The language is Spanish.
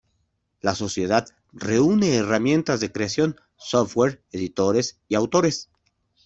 La sociedad reúne herramientas de creación, software, editores y autores.